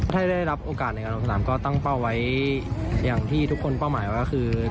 ถ้าได้รับโอกาสในการลงสนามก็ตั้งเป้าไว้อย่างที่ทุกคนเป้าหมายไว้ก็คือ